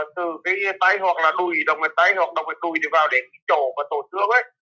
từ cái tay hoặc là đùi đồng mẹt tay hoặc đồng mẹt đùi thì vào đến cái chỗ và tổn thương ấy